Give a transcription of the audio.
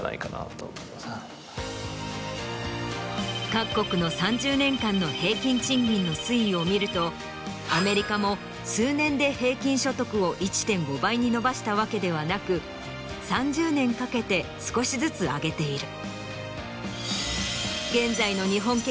各国の３０年間の平均賃金の推移を見るとアメリカも数年で平均所得を１．５倍に伸ばしたわけではなく３０年かけて少しずつ上げている。